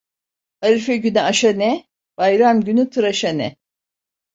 Arife günü aşa ne, bayram günü tıraşa ne?